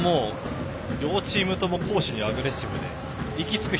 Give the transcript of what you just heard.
両チームとも攻守にアグレッシブで息つく